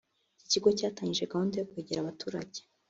iki kigo cyatangije gahunda yo kwegera abaturage